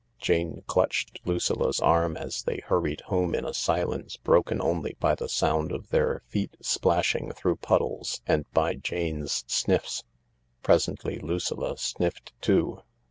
Jane clutched Lucilla's arm as they hurried home in a silence broken only by the sound of their feet splashing through puddles and by Jane 's sniffs. Presently Lucilla sniffed too.